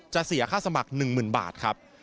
เสียค่าสมัคร๑๐๐๐บาทครับ